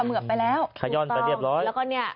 ขมือบไปแล้ว